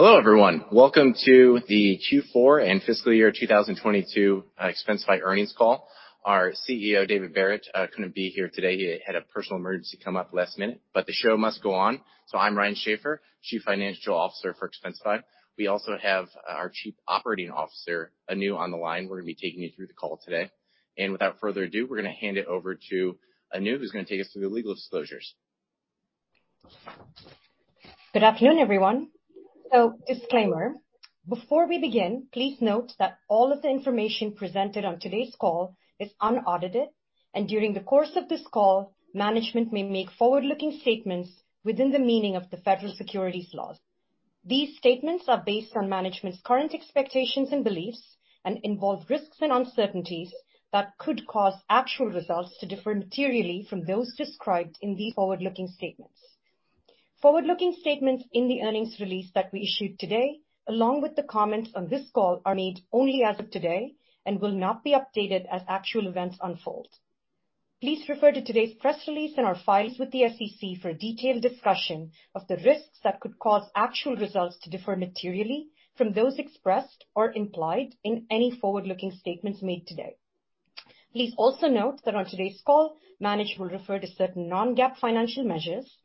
Hello, everyone. Welcome to the Q4 and fiscal year 2022 Expensify earnings call. Our CEO, David Barrett, couldn't be here today. He had a personal emergency come up last minute. The show must go on. I'm Ryan Schaffer, Chief Financial Officer for Expensify. We also have our Chief Operating Officer, Anu, on the line, who's gonna be taking you through the call today. Without further ado, we're gonna hand it over to Anu, who's gonna take us through the legal disclosures. Good afternoon, everyone. Disclaimer, before we begin, please note that all of the information presented on today's call is unaudited, and during the course of this call, management may make forward-looking statements within the meaning of the federal securities laws. These statements are based on management's current expectations and beliefs and involve risks and uncertainties that could cause actual results to differ materially from those described in these forward-looking statements. Forward-looking statements in the earnings release that we issued today, along with the comments on this call, are made only as of today and will not be updated as actual events unfold. Please refer to today's press release in our files with the SEC for a detailed discussion of the risks that could cause actual results to differ materially from those expressed or implied in any forward-looking statements made today. Please also note that on today's call, management will refer to certain non-GAAP financial measures.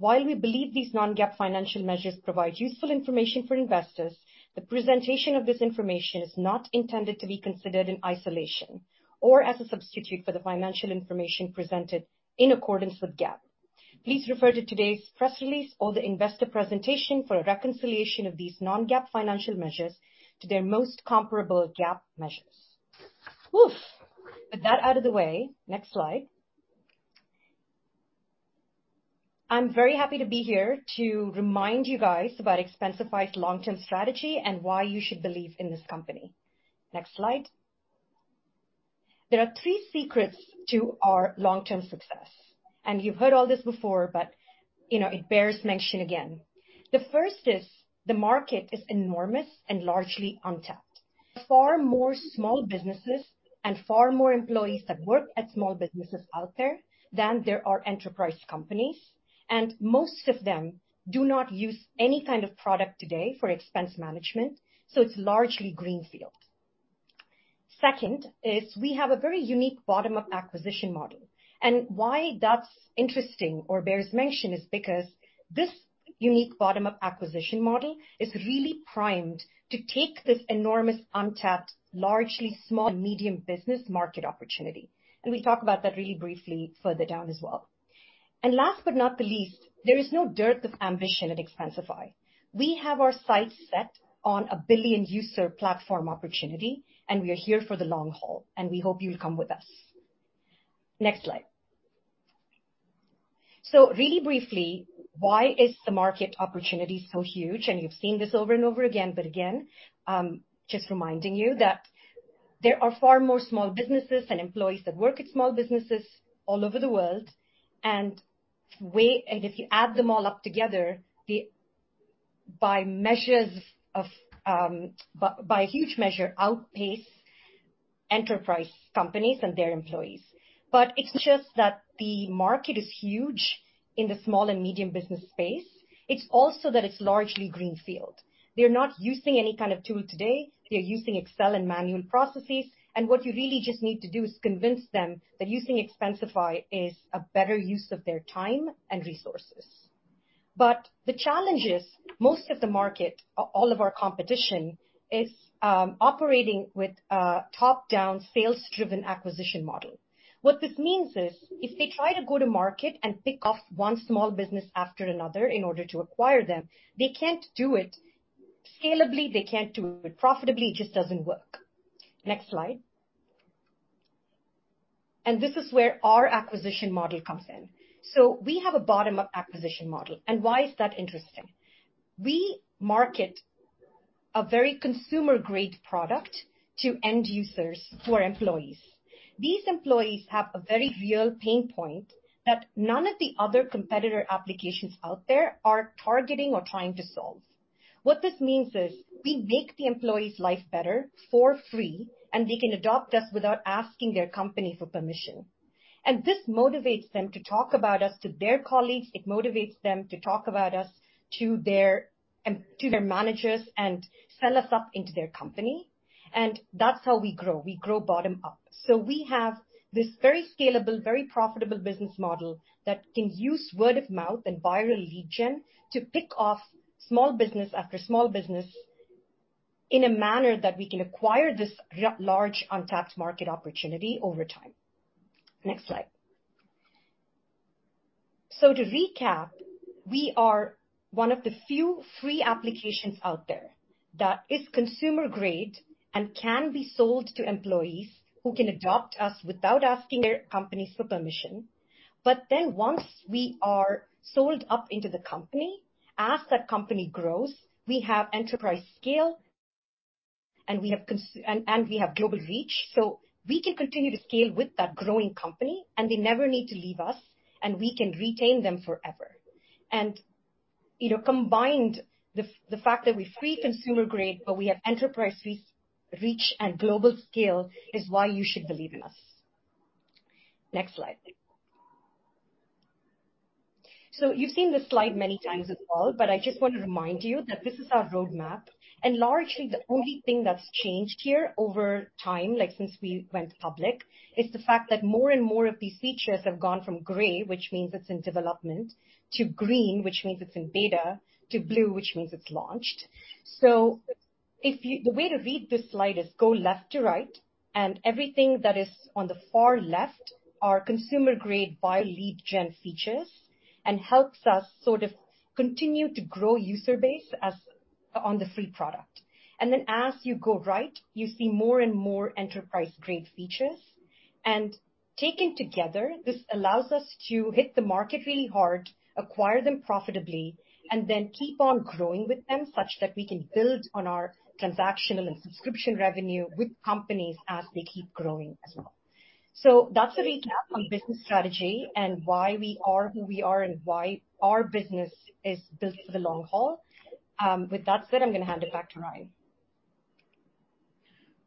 While we believe these non-GAAP financial measures provide useful information for investors, the presentation of this information is not intended to be considered in isolation or as a substitute for the financial information presented in accordance with GAAP. Please refer to today's press release or the investor presentation for a reconciliation of these non-GAAP financial measures to their most comparable GAAP measures. Whoof. With that out of the way, next slide. I'm very happy to be here to remind you guys about Expensify's long-term strategy and why you should believe in this company. Next slide. There are three secrets to our long-term success, and you've heard all this before, but, you know, it bears mention again. The first is the market is enormous and largely untapped. Far more small businesses and far more employees that work at small businesses out there than there are enterprise companies, and most of them do not use any kind of product today for expense management, so it's largely greenfield. Second is we have a very unique bottom-up acquisition model. Why that's interesting or bears mention is because this unique bottom-up acquisition model is really primed to take this enormous, untapped, largely small and medium business market opportunity. We talk about that really briefly further down as well. Last but not the least, there is no dearth of ambition at Expensify. We have our sights set on a billion-user platform opportunity, and we are here for the long haul, and we hope you'll come with us. Next slide. Really briefly, why is the market opportunity so huge? You've seen this over and over again, but again, just reminding you that there are far more small businesses and employees that work at small businesses all over the world. If you add them all up together, by measures of, by a huge measure, outpace enterprise companies and their employees. It's just that the market is huge in the small and medium business space. It's also that it's largely greenfield. They're not using any kind of tool today. They're using Excel and manual processes. What you really just need to do is convince them that using Expensify is a better use of their time and resources. The challenge is most of the market, all of our competition is, operating with a top-down sales-driven acquisition model. What this means is, if they try to go to market and pick off one small business after another in order to acquire them, they can't do it scalably, they can't do it profitably. It just doesn't work. Next slide. This is where our acquisition model comes in. We have a bottom-up acquisition model, and why is that interesting? We market a very consumer-grade product to end users who are employees. These employees have a very real pain point that none of the other competitor applications out there are targeting or trying to solve. What this means is we make the employee's life better for free, and they can adopt us without asking their company for permission. This motivates them to talk about us to their colleagues. It motivates them to talk about us to their managers and sell us up into their company, and that's how we grow. We grow bottom up. We have this very scalable, very profitable business model that can use word of mouth and viral lead gen to pick off small business after small business in a manner that we can acquire this large untapped market opportunity over time. Next slide. To recap, we are one of the few free applications out there that is consumer grade and can be sold to employees who can adopt us without asking their companies for permission. Once we are sold up into the company, as that company grows, we have enterprise scale, and we have global reach, so we can continue to scale with that growing company, and they never need to leave us, and we can retain them forever. You know, combined, the fact that we're free consumer grade, but we have enterprise reach and global scale is why you should believe in us. Next slide. You've seen this slide many times as well, but I just want to remind you that this is our roadmap. Largely, the only thing that's changed here over time, like since we went public, is the fact that more and more of these features have gone from gray, which means it's in development, to green, which means it's in beta, to blue, which means it's launched. The way to read this slide is go left to right, and everything that is on the far left are consumer grade by lead gen features, and helps us sort of continue to grow user base as on the free product. Then as you go right, you see more and more enterprise grade features. Taken together, this allows us to hit the market really hard, acquire them profitably, and then keep on growing with them such that we can build on our transactional and subscription revenue with companies as they keep growing as well. That's a recap on business strategy and why we are who we are and why our business is built for the long haul. With that said, I'm gonna hand it back to Ryan.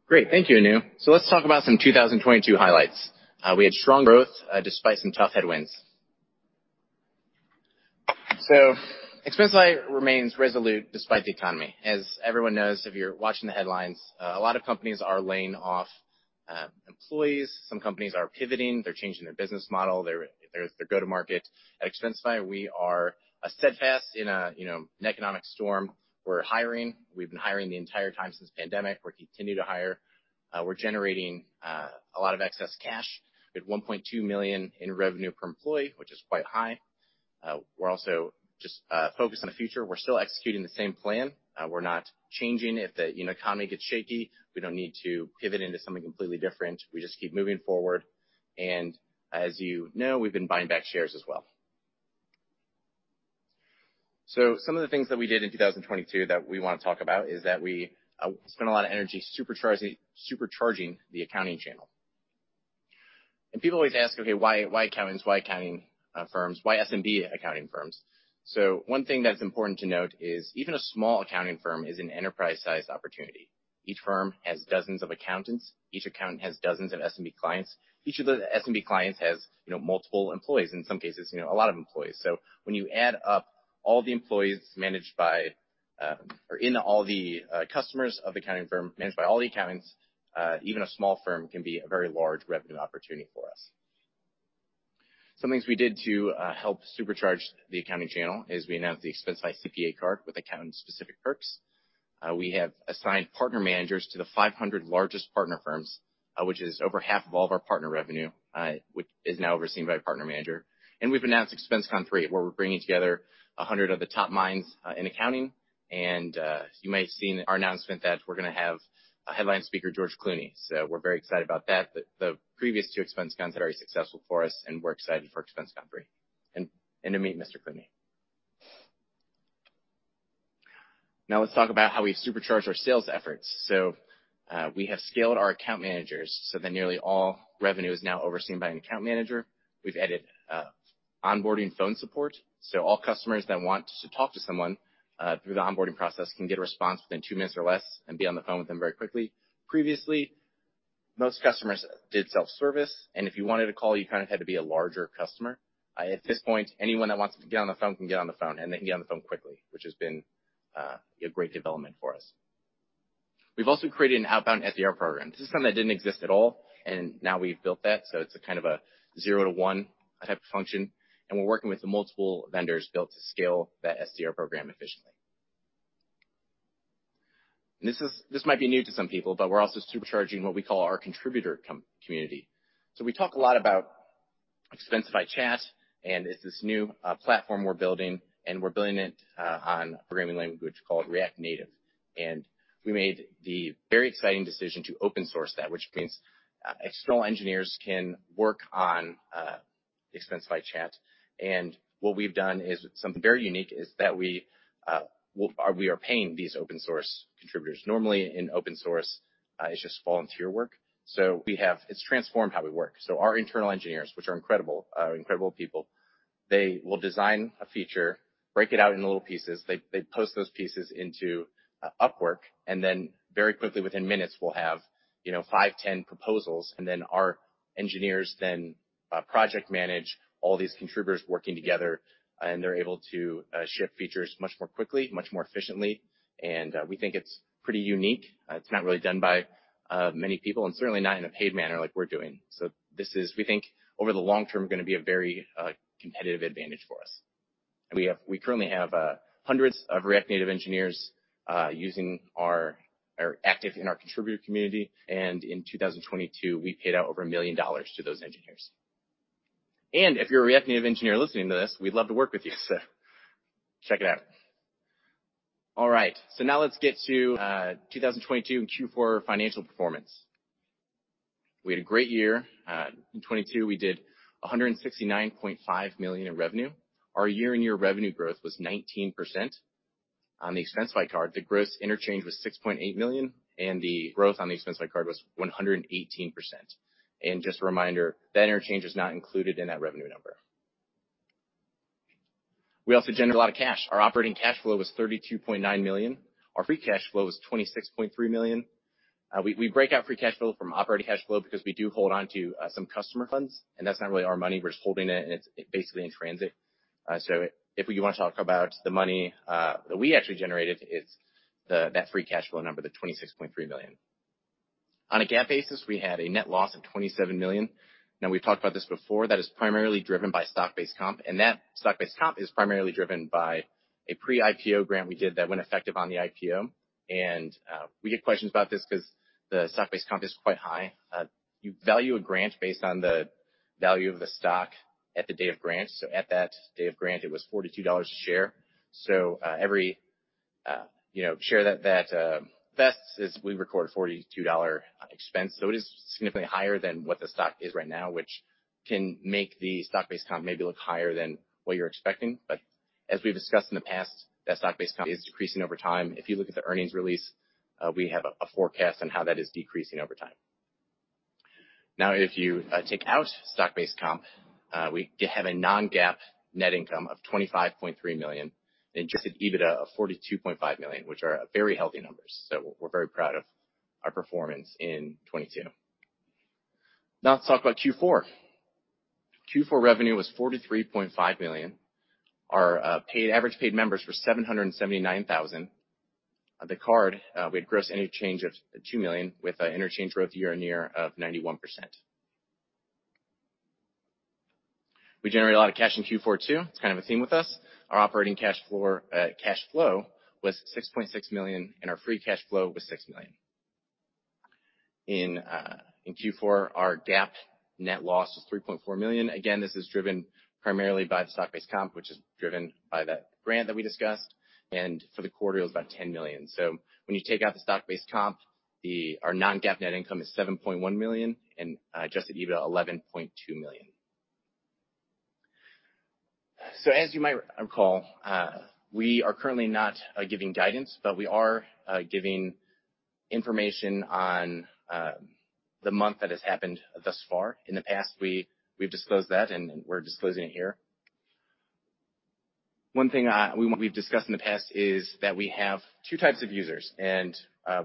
Great. Thank you, Anu. Let's talk about some 2022 highlights. We had strong growth despite some tough headwinds. Expensify remains resolute despite the economy. As everyone knows, if you're watching the headlines, a lot of companies are laying off employees. Some companies are pivoting. They're changing their business model, their go-to-market. At Expensify, we are a steadfast in a, you know, an economic storm. We're hiring. We've been hiring the entire time since pandemic. We're continuing to hire. We're generating a lot of excess cash. We have $1.2 million in revenue per employee, which is quite high. We're also just focused on the future. We're still executing the same plan. We're not changing. If the, you know, economy gets shaky, we don't need to pivot into something completely different. We just keep moving forward. As you know, we've been buying back shares as well. Some of the things that we did in 2022 that we wanna talk about is that we spent a lot of energy supercharging the accounting channel. People always ask, "Okay, why accountants? Why accounting firms? Why SMB accounting firms?" One thing that's important to note is even a small accounting firm is an enterprise-sized opportunity. Each firm has dozens of accountants. Each accountant has dozens of SMB clients. Each of the SMB clients has, you know, multiple employees, in some cases, you know, a lot of employees. When you add up all the employees managed by, or in all the customers of accounting firm managed by all the accountants, even a small firm can be a very large revenue opportunity for us. Some things we did to help supercharge the accounting channel is we announced the Expensify CPA Card with accountant-specific perks. We have assigned partner managers to the 500 largest partner firms, which is over half of all of our partner revenue, which is now overseen by a partner manager. We've announced ExpensiCon 3, where we're bringing together 100 of the top minds in accounting. You may have seen our announcement that we're gonna have a headline speaker, George Clooney. We're very excited about that. The previous two ExpensiCons are very successful for us, and we're excited for ExpensiCon 3, and to meet Mr. Clooney. Let's talk about how we supercharge our sales efforts. We have scaled our account managers, so that nearly all revenue is now overseen by an account manager. We've added onboarding phone support, so all customers that want to talk to someone through the onboarding process can get a response within two minutes or less and be on the phone with them very quickly. Previously, most customers did self-service, and if you wanted to call, you kinda had to be a larger customer. At this point, anyone that wants to get on the phone can get on the phone, and they can get on the phone quickly, which has been a great development for us. We've also created an outbound SDR program. This is something that didn't exist at all, now we've built that, so it's a kind of a zero to one type of function, and we're working with multiple vendors built to scale that SDR program efficiently. This might be new to some people, but we're also supercharging what we call our contributor community. we talk a lot about Expensify Chat, and it's this new platform we're building, and we're building it on a programming language called React Native. we made the very exciting decision to open source that, which means external engineers can work on Expensify Chat. what we've done is something very unique, is that we are paying these open source contributors. Normally in open source, it's just volunteer work. It's transformed how we work. Our internal engineers, which are incredible people, they will design a feature, break it out into little pieces. They post those pieces into Upwork, very quickly, within minutes, we'll have, you know, five, 10 proposals. Our engineers then project manage all these contributors working together, and they're able to ship features much more quickly, much more efficiently. We think it's pretty unique. It's not really done by many people, certainly not in a paid manner like we're doing. This is, we think, over the long term, gonna be a very competitive advantage for us. We currently have hundreds of React Native engineers using our or active in our contributor community. In 2022, we paid out over $1 million to those engineers. If you're a React Native engineer listening to this, we'd love to work with you. Check it out. All right. Now let's get to 2022 and Q4 financial performance. We had a great year. In 2022, we did $169.5 million in revenue. Our year-on-year revenue growth was 19%. On the Expensify Card, the gross interchange was $6.8 million. The growth on the Expensify Card was 118%. Just a reminder, that interchange is not included in that revenue number. We also generate a lot of cash. Our operating cash flow was $32.9 million. Our free cash flow was $26.3 million. We break out free cash flow from operating cash flow because we do hold on to some customer funds. That's not really our money. We're just holding it. It's basically in transit. If we wanna talk about the money that we actually generated, it's that free cash flow number, the $26.3 million. On a GAAP basis, we had a net loss of $27 million. We've talked about this before. That is primarily driven by stock-based comp. That stock-based comp is primarily driven by a pre-IPO grant we did that went effective on the IPO. We get questions about this 'cause the stock-based comp is quite high. You value a grant based on the value of the stock at the day of grant. At that day of grant, it was $42 a share. Every, you know, share that vests is we record a $42 expense. It is significantly higher than what the stock is right now, which can make the stock-based comp maybe look higher than what you're expecting. As we've discussed in the past, that stock-based comp is decreasing over time. If you look at the earnings release, we have a forecast on how that is decreasing over time. Now, if you take out stock-based comp, we have a non-GAAP net income of $25.3 million and adjusted EBITDA of $42.5 million, which are very healthy numbers. We're very proud of our performance in 2022. Now let's talk about Q4. Q4 revenue was $43.5 million. Our paid Average paid members were 779,000. The card, we had gross interchange of $2 million with an interchange growth year-on-year of 91%. We generated a lot of cash in Q4 too. It's kind of a theme with us. Our operating cash flow was $6.6 million, and our free cash flow was $6 million. In Q4, our GAAP net loss was $3.4 million. Again, this is driven primarily by the stock-based comp, which is driven by that grant that we discussed, and for the quarter, it was about $10 million. When you take out the stock-based comp, our non-GAAP net income is $7.1 million and adjusted EBITDA, $11.2 million. As you might recall, we are currently not giving guidance, but we are giving information on the month that has happened thus far. In the past, we've disclosed that, and we're disclosing it here. One thing we've discussed in the past is that we have two types of users.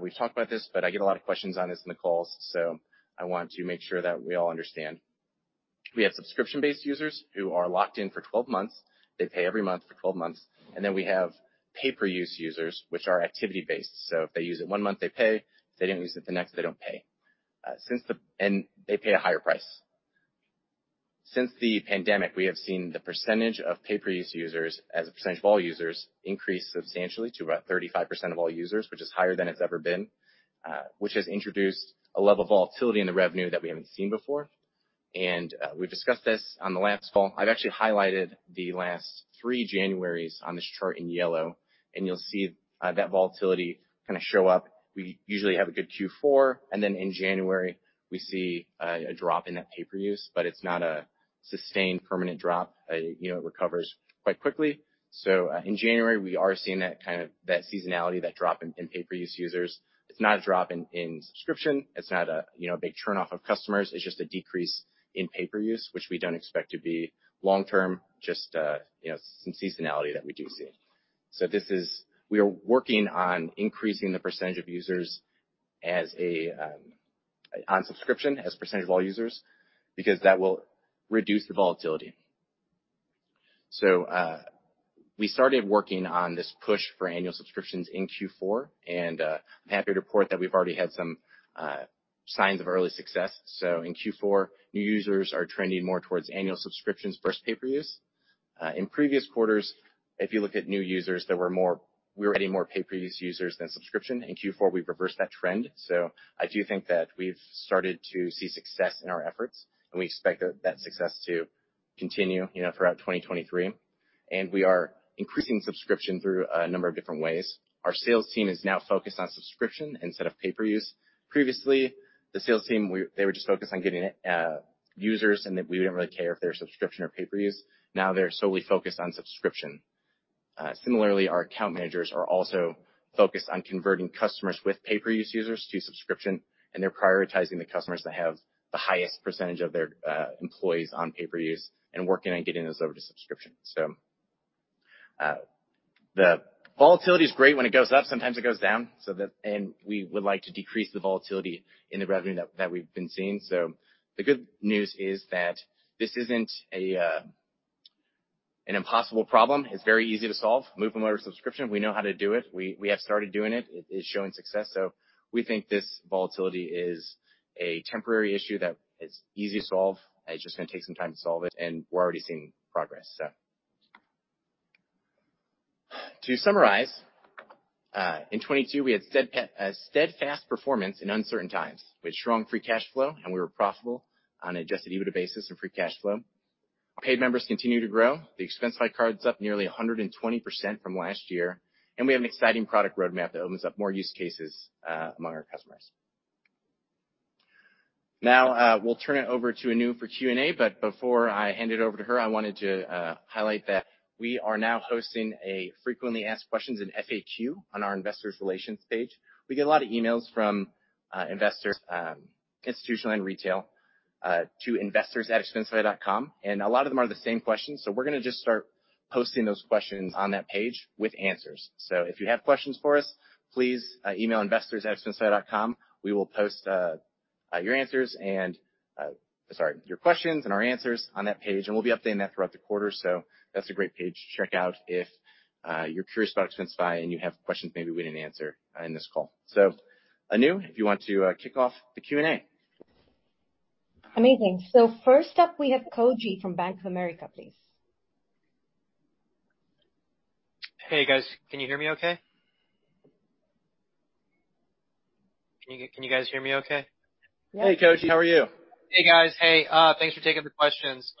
We've talked about this, but I get a lot of questions on this in the calls, so I want to make sure that we all understand. We have subscription-based users who are locked in for 12 months. They pay every month for 12 months. We have pay-per-use users, which are activity-based. If they use it one month, they pay. If they didn't use it the next, they don't pay. And they pay a higher price. Since the pandemic, we have seen the percentage of pay-per-use users as a percentage of all users increase substantially to about 35% of all users, which is higher than it's ever been, which has introduced a level of volatility in the revenue that we haven't seen before. We've discussed this on the last call. I've actually highlighted the last three Januaries on this chart in yellow, and you'll see that volatility kinda show up. We usually have a good Q4, in January we see a drop in that pay-per-use, but it's not a sustained permanent drop. You know, it recovers quite quickly. In January, we are seeing that seasonality, that drop in pay-per-use users. It's not a drop in subscription. It's not a, you know, a big turnoff of customers. It's just a decrease in pay-per-use, which we don't expect to be long term, just, you know, some seasonality that we do see. We are working on increasing the percentage of users as a on subscription as a percentage of all users because that will reduce the volatility. We started working on this push for annual subscriptions in Q4, and I'm happy to report that we've already had some signs of early success. In Q4, new users are trending more towards annual subscriptions versus pay-per-use. In previous quarters, if you look at new users we were adding more pay-per-use users than subscription. In Q4, we've reversed that trend. I do think that we've started to see success in our efforts, and we expect that success to continue, you know, throughout 2023. We are increasing subscription through a number of different ways. Our sales team is now focused on subscription instead of pay-per-use. Previously, the sales team, they were just focused on getting users and that we didn't really care if they were subscription or pay-per-use. Now they're solely focused on subscription. Similarly, our account managers are also focused on converting customers with pay-per-use users to subscription, and they're prioritizing the customers that have the highest percentage of their employees on pay-per-use and working on getting those over to subscription. The volatility is great when it goes up. Sometimes it goes down. We would like to decrease the volatility in the revenue that we've been seeing. The good news is that this isn't an impossible problem. It's very easy to solve. Move them over to subscription. We know how to do it. We have started doing it. It is showing success. We think this volatility is a temporary issue that is easy to solve. It's just gonna take some time to solve it, and we're already seeing progress. To summarize, in 2022, we had steadfast performance in uncertain times. We had strong free cash flow, and we were profitable on an adjusted EBITDA basis and free cash flow. Our paid members continue to grow. The Expensify Card up nearly 120% from last year, and we have an exciting product roadmap that opens up more use cases among our customers. We'll turn it over to Anu for Q&A, but before I hand it over to her, I wanted to highlight that we are now hosting a frequently asked questions in FAQ on our investor's relations page. We get a lot of emails from investors, institutional and retail to investors@expensify.com, and a lot of them are the same questions, so we're gonna just start posting those questions on that page with answers. If you have questions for us, please email investors@expensify.com. We will post your questions and our answers on that page, and we'll be updating that throughout the quarter. That's a great page to check out if you're curious about Expensify and you have questions maybe we didn't answer in this call. Anu, if you want to kick off the Q&A. Amazing. first up, we have Koji from Bank of America, please. Hey, guys. Can you hear me okay? Can you guys hear me okay? Hey, Koji. How are you? Hey, guys. Hey, thanks for taking the questions.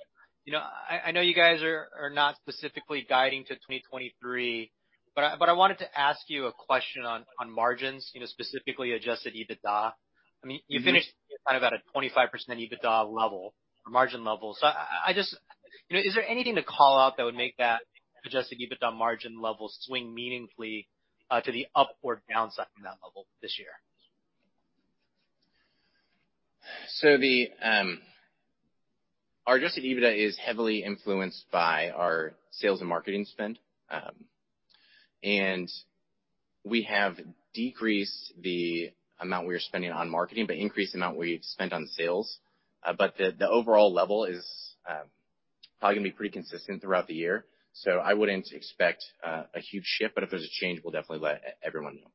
You know, I know you guys are not specifically guiding to 2023, but I wanted to ask you a question on margins, you know, specifically adjusted EBITDA. Mm-hmm. I mean, you finished on about a 25% EBITDA level or margin level. You know, is there anything to call out that would make that adjusted EBITDA margin level swing meaningfully to the upward downside from that level this year? The, our adjusted EBITDA is heavily influenced by our sales and marketing spend. We have decreased the amount we are spending on marketing, but increased the amount we've spent on sales. The, the overall level is, probably gonna be pretty consistent throughout the year, I wouldn't expect a huge shift, but if there's a change, we'll definitely let everyone know.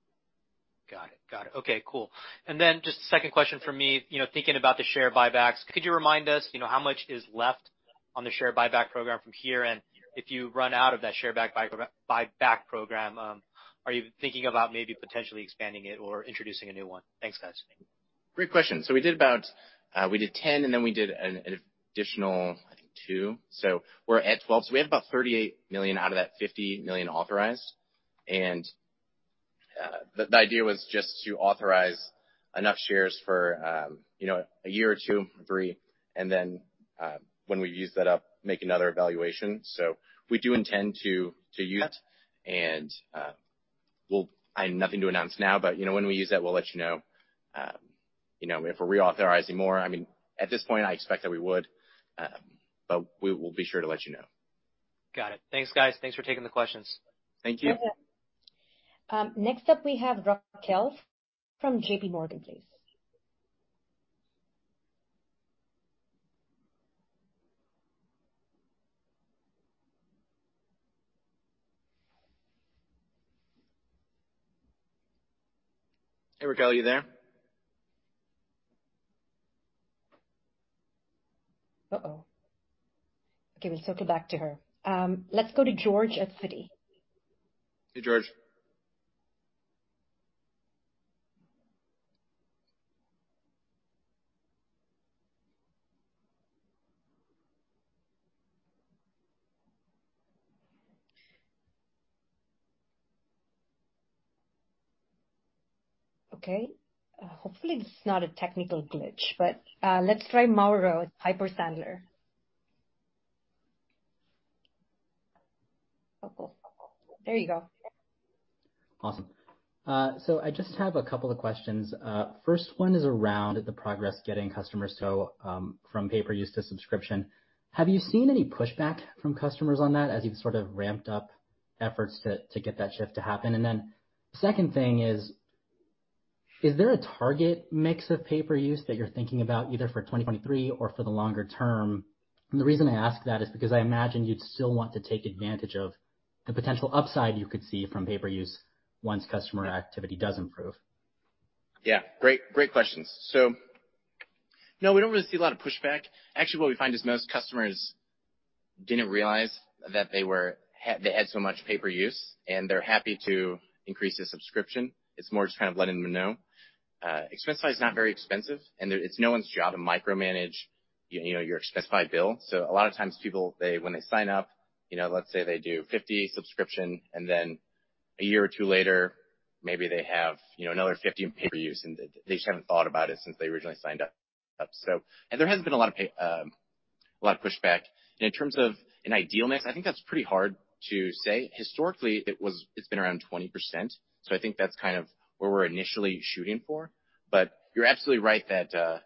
Got it. Got it. Okay, cool. Just a second question from me. You know, thinking about the share buybacks, could you remind us, you know, how much is left on the share buyback program from here? If you run out of that share back buyback program, are you thinking about maybe potentially expanding it or introducing a new one? Thanks, guys. Great question. We did about, we did 10, and then we did an additional two. We're at 12. We have about $38 million out of that $50 million authorized. The idea was just to authorize enough shares for, you know, a year or two, or three, and then, when we use that up, make another evaluation. We do intend to use and, I have nothing to announce now, but, you know, when we use that, we'll let you know, you know, if we're reauthorizing more. I mean, at this point, I expect that we would, but we will be sure to let you know. Got it. Thanks, guys. Thanks for taking the questions. Thank you. Next up we have Raquel from J.P. Morgan, please. Hey, Raquel, are you there? Okay, we'll circle back to her. Let's go to George at Citi. Hey, George. Okay. Hopefully this is not a technical glitch, but let's try Mauro at Piper Sandler. There you go. Awesome. I just have a couple of questions. First one is around the progress getting customers, from pay-per-use to subscription. Have you seen any pushback from customers on that as you've sort of ramped up efforts to get that shift to happen? Second thing is there a target mix of pay-per-use that you're thinking about either for 2023 or for the longer term? The reason I ask that is because I imagine you'd still want to take advantage of the potential upside you could see from pay-per-use once customer activity does improve. Yeah. Great, great questions. No, we don't really see a lot of pushback. Actually, what we find is most customers didn't realize that they were they had so much pay-per-use, and they're happy to increase their subscription. It's more just kind of letting them know. Expensify is not very expensive, and it's no one's job to micromanage, you know, your Expensify bill. A lot of times people, when they sign up, you know, let's say they do 50 subscription, and then a year or two later, maybe they have, you know, another 50 in pay-per-use, and they just haven't thought about it since they originally signed up. There hasn't been a lot of a lot of pushback. In terms of an ideal mix, I think that's pretty hard to say. Historically, it's been around 20%, so I think that's kind of where we're initially shooting for. You're absolutely right that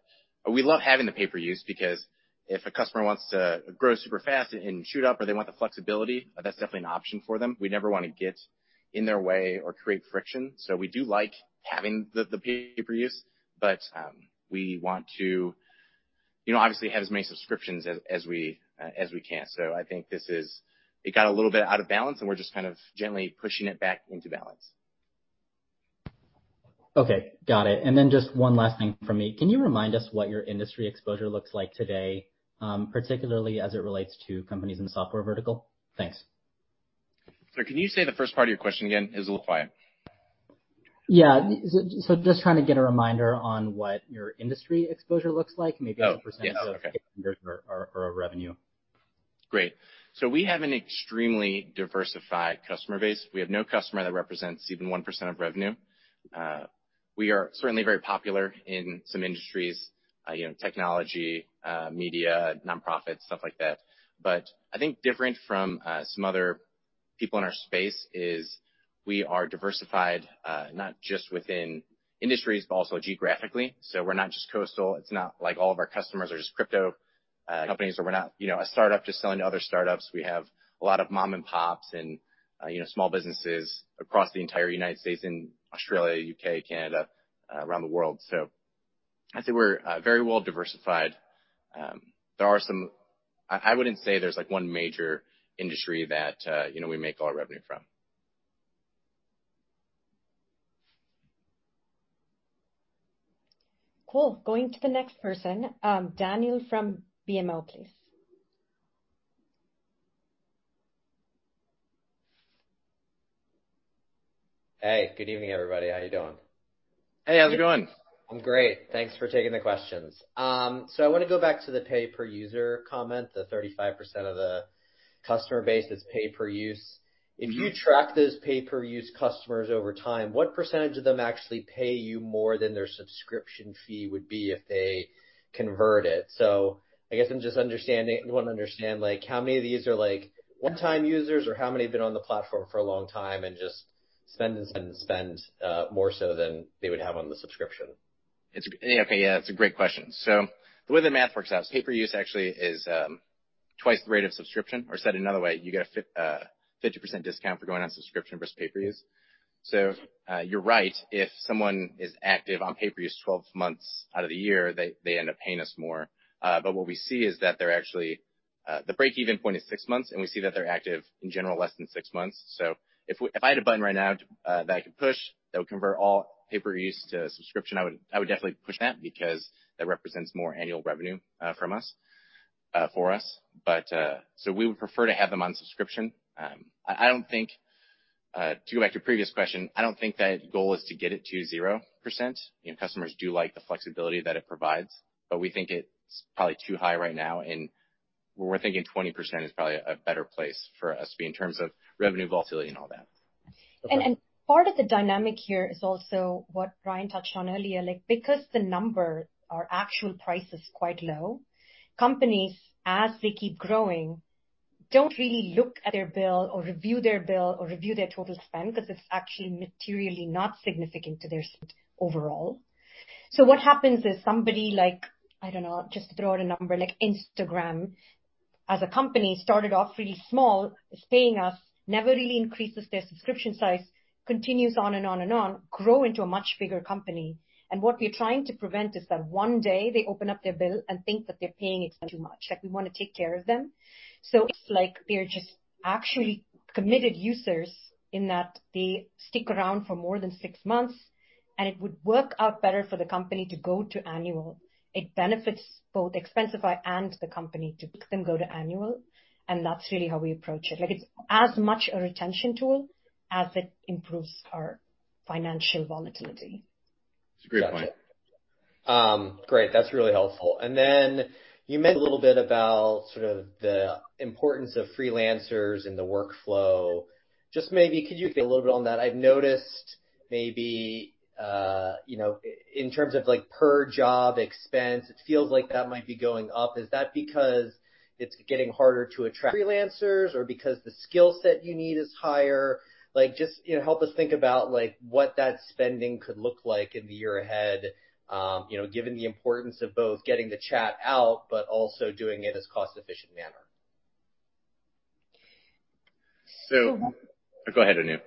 we love having the pay-per-use because if a customer wants to grow super fast and shoot up or they want the flexibility, that's definitely an option for them. We never wanna get in their way or create friction, so we do like having the pay-per-use, but we want to, you know, obviously have as many subscriptions as we can. I think this is. It got a little bit out of balance, and we're just kind of gently pushing it back into balance. Okay, got it. Just one last thing from me. Can you remind us what your industry exposure looks like today, particularly as it relates to companies in the software vertical? Thanks. Sorry, can you say the first part of your question again? It's a little quiet. Yeah. Just trying to get a reminder on what your industry exposure looks like? Oh. Maybe as a percentage. Yeah. Okay. Of your revenue. Great. We have an extremely diversified customer base. We have no customer that represents even 1% of revenue. We are certainly very popular in some industries, you know, technology, media, nonprofit, stuff like that. I think different from, some other people in our space is we are diversified, not just within industries but also geographically. We're not just coastal. It's not like all of our customers are just crypto, companies, or we're not, you know, a startup just selling to other startups. We have a lot of mom and pops and, you know, small businesses across the entire United States and Australia, U.K., Canada, around the world. I'd say we're, very well diversified. There are some. I wouldn't say there's like one major industry that, you know, we make all our revenue from. Cool. Going to the next person. Daniel from BMO, please. Hey, good evening, everybody. How you doing? Hey, how's it going? I'm great. Thanks for taking the questions. I wanna go back to the pay per user comment, the 35% of the customer base that's pay per use. If you track those pay per use customers over time, what percentage of them actually pay you more than their subscription fee would be if they convert it? I guess I just wanna understand, like how many of these are like one-time users or how many have been on the platform for a long time and just spend and spend and spend, more so than they would have on the subscription. Yeah. Okay. Yeah, it's a great question. The way the math works out, pay per use actually is twice the rate of subscription. Said another way, you get a 50% discount for going on subscription versus pay per use. You're right, if someone is active on pay-per-use 12 months out of the year, they end up paying us more. What we see is that they're actually the break-even point is six months, and we see that they're active in general less than six months. If I had a button right now, that I could push that would convert all pay per use to subscription, I would definitely push that because that represents more annual revenue from us for us. We would prefer to have them on subscription. I don't think, to go back to your previous question, I don't think the goal is to get it to 0%. You know, customers do like the flexibility that it provides, but we think it's probably too high right now, and we're thinking 20% is probably a better place for us to be in terms of revenue volatility and all that. Part of the dynamic here is also what Ryan touched on earlier. Like, because the number or actual price is quite low, companies, as they keep growing, don't really look at their bill or review their bill or review their total spend because it's actually materially not significant to their spend overall. What happens is somebody like, I don't know, just to throw out a number, like Instagram, as a company, started off really small, is paying us, never really increases their subscription size, continues on and on and on, grow into a much bigger company. What we're trying to prevent is that one day they open up their bill and think that they're paying it too much, like we wanna take care of them. It's like they're just actually committed users in that they stick around for more than six months and it would work out better for the company to go to annual. It benefits both Expensify and the company to make them go to annual. That's really how we approach it. Like, it's as much a retention tool as it improves our financial volatility. It's a great point. Gotcha. Great. That's really helpful. Then you mentioned a little bit about sort of the importance of freelancers in the workflow. Just maybe could you speak a little bit on that? I've noticed maybe, you know, in terms of, like, per job expense, it feels like that might be going up. Is that because it's getting harder to attract freelancers or because the skill set you need is higher? Like, just, you know, help us think about, like, what that spending could look like in the year ahead, you know, given the importance of both getting the chat out but also doing it as cost-efficient manner. So. So. Go ahead, Anu.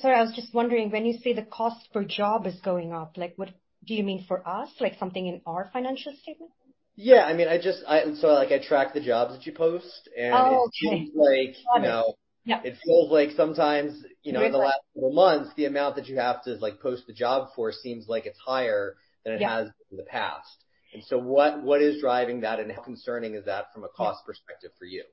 Sorry, I was just wondering, when you say the cost per job is going up, like what do you mean for us? Like something in our financial statement? Yeah. I mean, like, I track the jobs that you post. Oh, okay. Got it. It seems like, you know. Yeah. It feels like sometimes, you know, in the last couple months, the amount that you have to, like, post a job for seems like it's higher than it has in the past. Yeah. What is driving that, and how concerning is that from a cost perspective for you?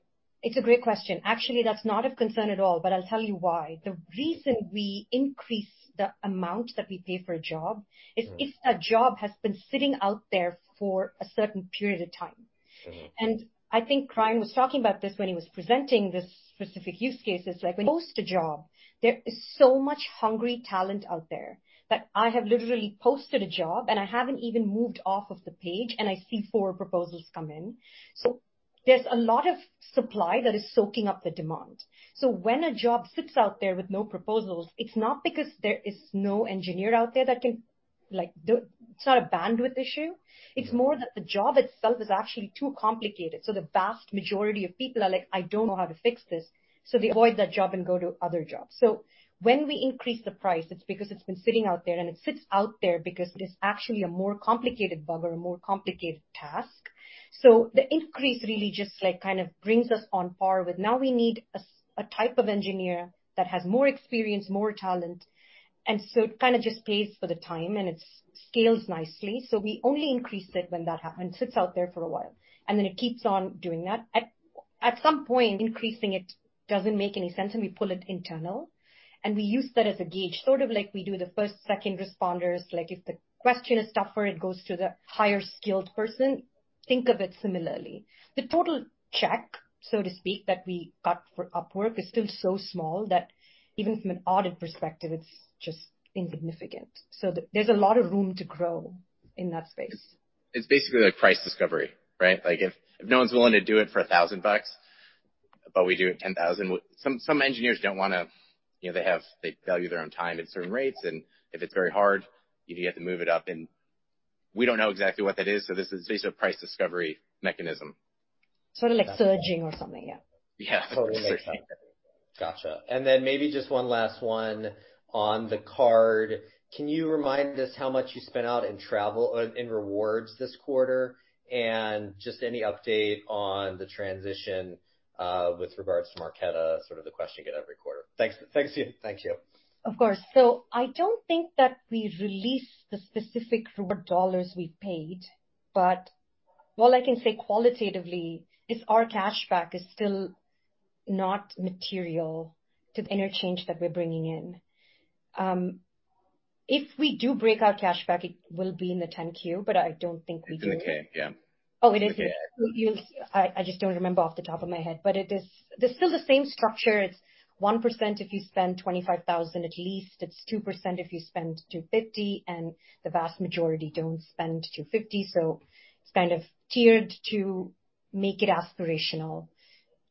It's a great question. Actually, that's not of concern at all. I'll tell you why. The reason we increase the amount that we pay for a job is if a job has been sitting out there for a certain period of time. Mm-hmm. I think Ryan was talking about this when he was presenting the specific use cases. Like when you post a job, there is so much hungry talent out there that I have literally posted a job, and I haven't even moved off of the page, and I see four proposals come in. There's a lot of supply that is soaking up the demand. When a job sits out there with no proposals, it's not because there is no engineer out there that can, like. It's not a bandwidth issue. It's more that the job itself is actually too complicated, so the vast majority of people are like, "I don't know how to fix this." They avoid that job and go to other jobs. When we increase the price, it's because it's been sitting out there, and it sits out there because it is actually a more complicated bug or a more complicated task. The increase really just like kind of brings us on par with now we need a type of engineer that has more experience, more talent, and so it kinda just pays for the time and it's scales nicely. We only increase it when that when it sits out there for a while, and then it keeps on doing that. At some point, increasing it doesn't make any sense, and we pull it internal, and we use that as a gauge, sort of like we do the first, second responders. Like, if the question is tougher, it goes to the higher-skilled person. Think of it similarly. The total check, so to speak, that we got for Upwork is still so small that even from an audit perspective, it's just insignificant. There's a lot of room to grow in that space. It's basically like price discovery, right? Like, if no one's willing to do it for $1,000 bucks, but we do it $10,000. Some engineers don't wanna. You know, they value their own time at certain rates, and if it's very hard, you have to move it up. We don't know exactly what that is. This is basically a price discovery mechanism. Sort of like surging or something. Yeah. Yeah. Gotcha. Maybe just one last one on the card. Can you remind us how much you spent out in travel, in rewards this quarter? Just any update on the transition with regards to Marqeta, sort of the question you get every quarter. Thanks. Thanks to you. Thank you. Of course. I don't think that we released the specific reward dollars we paid, but what I can say qualitatively is our cashback is still not material to the interchange that we're bringing in. If we do break our cashback, it will be in the 10-Q, but I don't think we do. It's okay. Yeah. Oh, it is. I just don't remember off the top of my head, but it is. It's still the same structure. It's 1% if you spend $25,000 at least. It's 2% if you spend $250,000, and the vast majority don't spend $250,000. It's kind of tiered to make it aspirational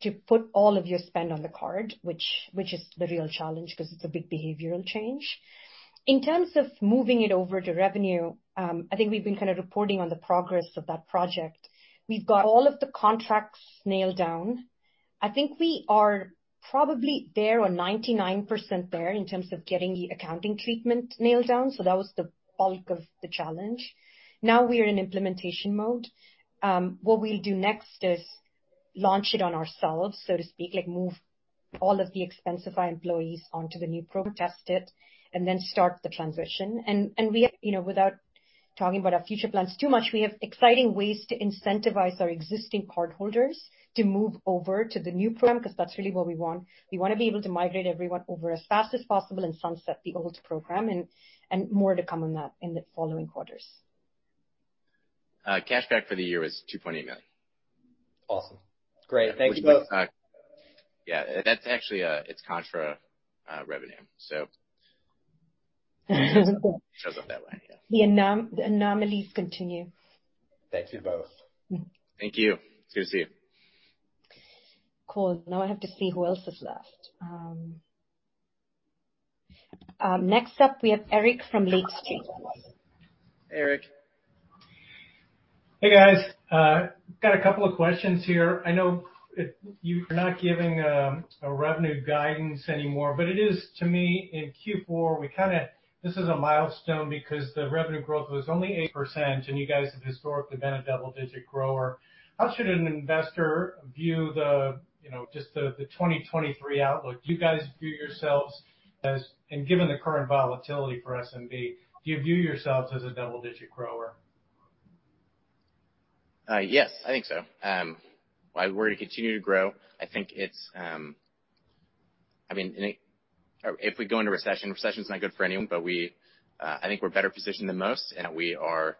to put all of your spend on the card, which is the real challenge 'cause it's a big behavioral change. In terms of moving it over to revenue, I think we've been kinda reporting on the progress of that project. We've got all of the contracts nailed down. I think we are probably there or 99% there in terms of getting the accounting treatment nailed down, so that was the bulk of the challenge. Now we are in implementation mode. What we'll do next is launch it on ourselves, so to speak, like move all of the Expensify employees onto the new program, test it, and then start the transition. You know, without talking about our future plans too much, we have exciting ways to incentivize our existing cardholders to move over to the new program, 'cause that's really what we want. We wanna be able to migrate everyone over as fast as possible and sunset the old program and more to come on that in the following quarters. Cashback for the year was $2.8 million. Awesome. Great. Thanks, both. Yeah. That's actually, it's contra revenue, so. Shows up that way, yeah. The anomalies continue. Thank you both. Thank you. Good to see you. Cool. I have to see who else is left. Next up we have Eric from Lake Street. Eric. Hey, guys. Got a couple of questions here. I know you're not giving a revenue guidance anymore, but it is to me, in Q4. This is a milestone because the revenue growth was only 8%, and you guys have historically been a double-digit grower. How should an investor view the, you know, just the 2023 outlook? Given the current volatility for SMB, do you view yourselves as a double-digit grower? Yes, I think so. We're gonna continue to grow. I think it's, I mean, if we go into recession's not good for anyone, but we, I think we're better positioned than most, and we are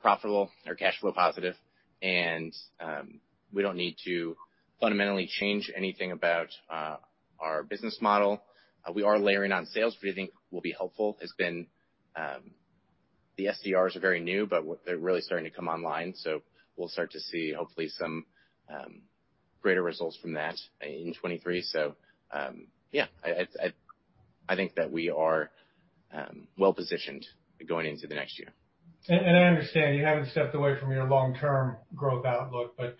profitable or cash flow positive and we don't need to fundamentally change anything about our business model. We are layering on sales. We think what will be helpful has been, the SDRs are very new, but they're really starting to come online, so we'll start to see hopefully some greater results from that in 23. Yeah. I think that we are well-positioned going into the next year. I understand you haven't stepped away from your long-term growth outlook, but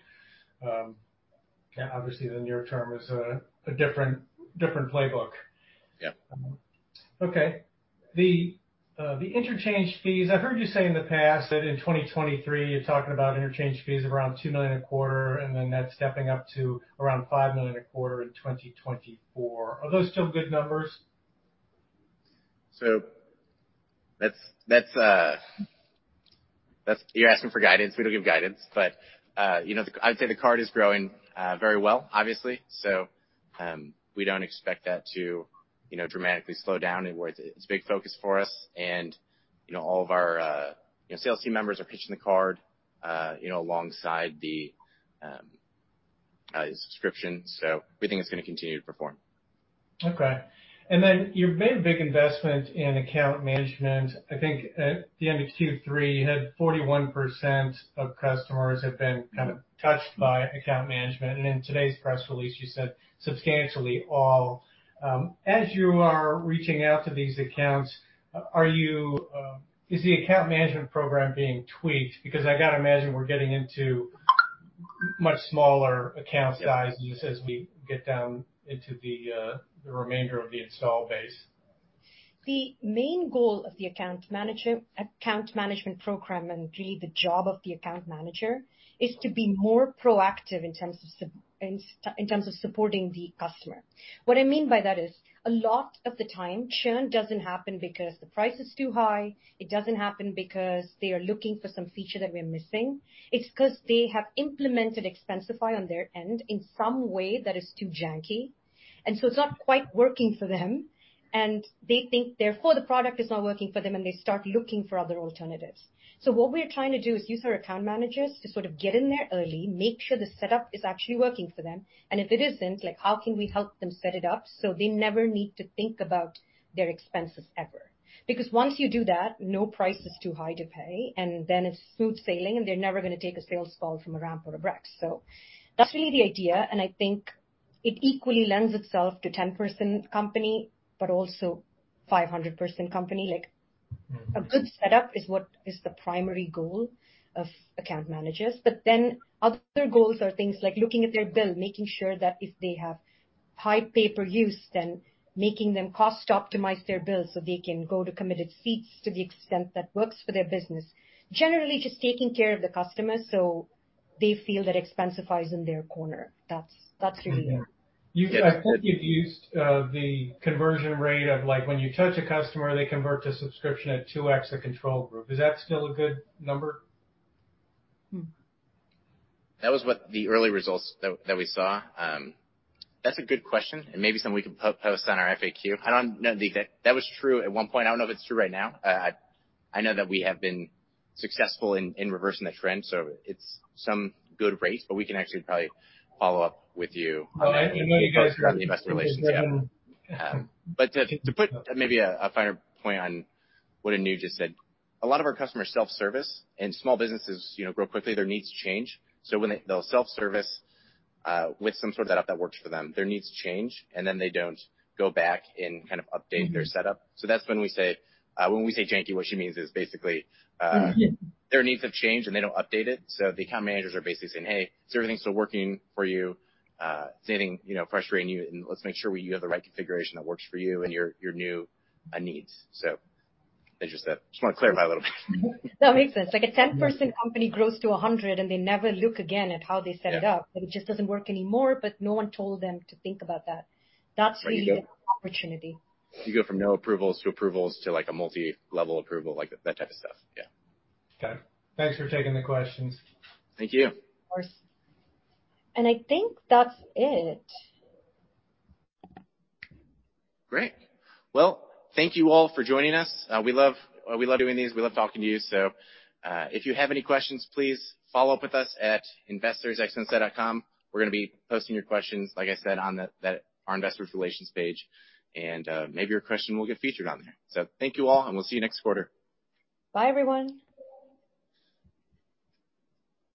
obviously the near term is a different playbook. Yeah. Okay. The interchange fees, I've heard you say in the past that in 2023 you're talking about interchange fees of around $2 million a quarter. Then that's stepping up to around $5 million a quarter in 2024. Are those still good numbers? You're asking for guidance. We don't give guidance. You know, I'd say the card is growing very well, obviously. We don't expect that to, you know, dramatically slow down and where it's a big focus for us. You know, all of our, you know, sales team members are pitching the card, you know, alongside the subscription. We think it's gonna continue to perform. Okay. You've made a big investment in account management. I think at the end of Q3, you had 41% of customers have been kinda touched by account management, and in today's press release you said substantially all. As you are reaching out to these accounts, Is the account management program being tweaked? Because I gotta imagine we're getting into much smaller account sizes as we get down into the remainder of the install base. The main goal of the account management program, and really the job of the account manager, is to be more proactive in terms of in terms of supporting the customer. What I mean by that is, a lot of the time churn doesn't happen because the price is too high. It doesn't happen because they are looking for some feature that we are missing. It's 'cause they have implemented Expensify on their end in some way that is too janky. It's not quite working for them, and they think therefore the product is not working for them, and they start looking for other alternatives. What we're trying to do is use our account managers to sort of get in there early, make sure the setup is actually working for them, and if it isn't, like, how can we help them set it up so they never need to think about their expenses ever. Because once you do that, no price is too high to pay, and then it's smooth sailing, and they're never gonna take a sales call from a Ramp or a Brex. That's really the idea, and I think it equally lends itself to 10-person company, but also 500-person company. Like. Mm-hmm. A good setup is what is the primary goal of account managers. Other goals are things like looking at their bill, making sure that if they have high pay-per-use, then making them cost optimize their bill so they can go to committed seats to the extent that works for their business. Generally, just taking care of the customer so they feel that Expensify is in their corner. That's really it. Yeah. I think you've used the conversion rate of, like, when you touch a customer, they convert to subscription at 2x the control group. Is that still a good number? Mm-hmm. That was what the early results that we saw. That's a good question and maybe something we can post on our FAQ. I don't know if that. That was true at one point. I don't know if it's true right now. I know that we have been successful in reversing the trend, so it's some good rates. We can actually probably follow up with you. All right. you guys can On the investor relations, yeah. To, to put maybe a finer point on what Anu just said, a lot of our customers self-service and small businesses, you know, grow quickly, their needs change. They'll self-service with some sort of setup that works for them, their needs change, and then they don't go back and, kind of, update their setup. That's when we say, when we say janky, what she means is basically. Mm-hmm. Their needs have changed, and they don't update it. The account managers are basically saying, "Hey, is everything still working for you? Is anything, you know, frustrating you? Let's make sure we use the right configuration that works for you and your new needs." As you said. Just wanna clarify a little bit. That makes sense. Like a 10-person company grows to 100, they never look again at how they set it up. Yeah. It just doesn't work anymore, but no one told them to think about that. There you go. That's really the opportunity. You go from no approvals to approvals to, like, a multi-level approval, like, that type of stuff. Yeah. Okay. Thanks for taking the questions. Thank you. Of course. I think that's it. Great. Well, thank you all for joining us. We love doing these. We love talking to you. If you have any questions, please follow up with us at investors@expensify.com. We're gonna be posting your questions, like I said, on the Our investor relations page, and maybe your question will get featured on there. Thank you all, and we'll see you next quarter. Bye, everyone.